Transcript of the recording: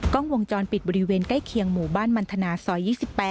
กล้องวงจรปิดบริเวณใกล้เคียงหมู่บ้านมันทนาซอย๒๘